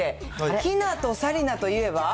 ひなと紗理奈といえば。